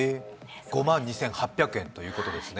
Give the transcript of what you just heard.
５万２８００円ということですね。